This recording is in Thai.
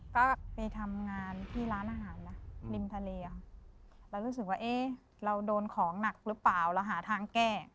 ก็ไปทำงานที่ร้านอาหารนะริมทะเลค่ะเรารู้สึกว่าเอ๊ะเราโดนของหนักหรือเปล่าเราหาทางแก้